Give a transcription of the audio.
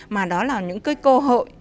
mà đó là những cái cơ hội